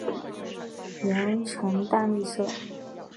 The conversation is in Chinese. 喙呈淡绿色。